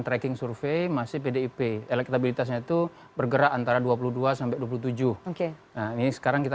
tracking survei masih pdip elektabilitasnya itu bergerak antara dua puluh dua sampai dua puluh tujuh oke nah ini sekarang kita